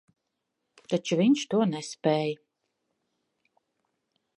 Taču viņš to nespēj.